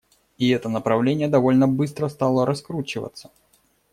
И это направление довольно быстро стало раскручиваться.